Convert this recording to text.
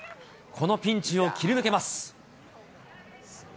このピンチを切り抜けます。